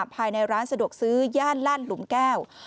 ภายในร้านสะดวกซื้อย่านลาดหลุมแก้ว